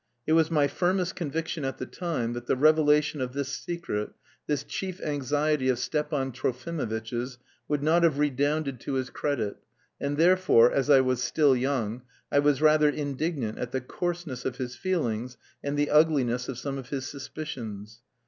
It was my firmest conviction at the time that the revelation of this secret, this chief anxiety of Stepan Trofimovitch's would not have redounded to his credit, and, therefore, as I was still young, I was rather indignant at the coarseness of his feelings and the ugliness of some of his suspicions.